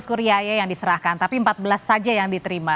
amikus kuriai yang diserahkan tapi empat belas saja yang diterima